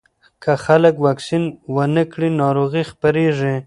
که خلک واکسین ونه کړي، ناروغي خپرېږي.